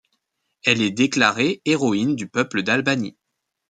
Elle est déclarée héroïne du peuple d'Albanie.